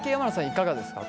いかがですか？